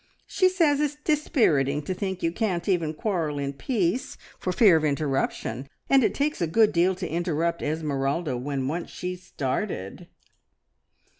She's says it's dispiriting to think you can't even quarrel in peace for fear of interruption, and it takes a good deal to interrupt Esmeralda when once she's started."